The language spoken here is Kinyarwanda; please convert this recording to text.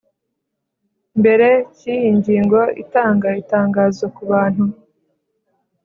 mbere cy iyi ngingo itanga itangazo ku Bantu